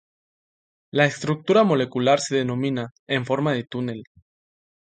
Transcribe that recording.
La estructura molecular se denomina "en forma de túnel".